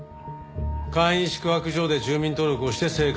簡易宿泊所で住民登録をして生活。